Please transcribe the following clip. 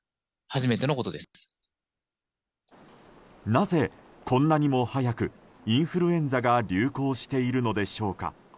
なぜ、こんなにも早くインフルエンザが流行しているのでしょうか。